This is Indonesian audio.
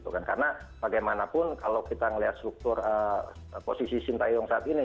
karena bagaimanapun kalau kita melihat struktur posisi shinta yang saat ini